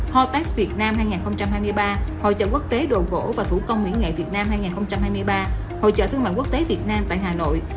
hopact việt nam hai nghìn hai mươi ba hội trợ quốc tế đồ gỗ và thủ công mỹ nghệ việt nam hai nghìn hai mươi ba hội trợ thương mại quốc tế việt nam tại hà nội